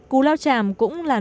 cù lao chảm cũng là nơi